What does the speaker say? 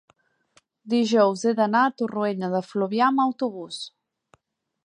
dijous he d'anar a Torroella de Fluvià amb autobús.